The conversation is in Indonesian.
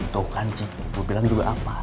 tuh kan cik gue bilang juga apa